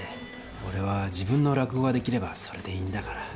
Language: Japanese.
おれは自分の落語ができればそれでいいんだから。